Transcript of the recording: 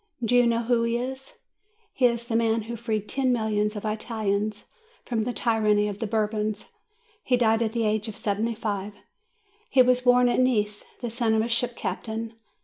Do you know who he is? He is the man who freed ten millions of Italians from the tyranny of the Bourbons. He died at the age of seventy five. He was born at Nice, the son of a ship captain.